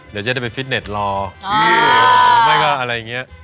เดี๋ยวจะได้ไปฟิตเน็ตรอหรือไม่ก็อะไรอย่างนี้